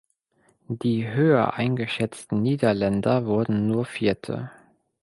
Die höher eingeschätzten Niederländer wurden nur Vierte.